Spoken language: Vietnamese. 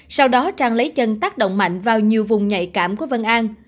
sau đó trang lấy chân tác động mạnh vào nhiều vùng nhạy cảm của vân an